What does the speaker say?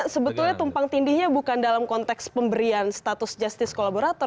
sebetulnya tumpang tindihnya bukan dalam konteks pemberian status justice collaborator